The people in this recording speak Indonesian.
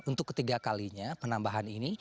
untuk ketiga kalinya penambahan ini